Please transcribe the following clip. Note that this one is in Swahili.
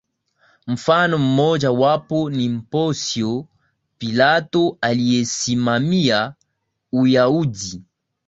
Mfano mmoja wapo ni Ponsyo Pilato aliyesimamia Uyahudi